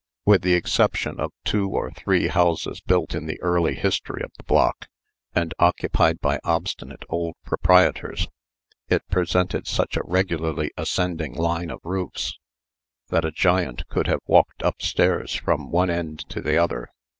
With the exception of two or three houses built in the early history of the block, and occupied by obstinate old proprietors, it presented such a regularly ascending line of roofs, that a giant could have walked up stairs from one end to the other.